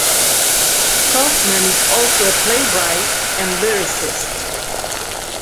Kaufman is also a playwright and lyricist.